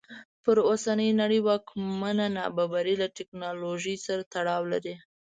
پر اوسنۍ نړۍ واکمنه نابرابري له ټکنالوژۍ سره تړاو لري.